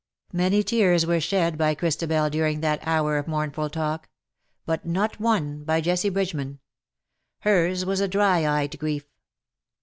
Many tears were shed by Christa bel during that hour of mournful talk ; but not one by Jessie Bridgeman. Hers was a dry eyed grief.